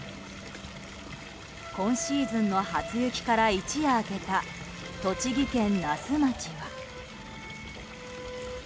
今シーズンの初雪から一夜明けた、栃木県那須町は。